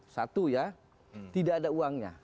satu ya tidak ada uangnya